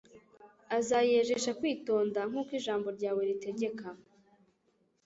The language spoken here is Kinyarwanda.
Azayejesha kwitonda nkuko ijambo ryawe ritegeka."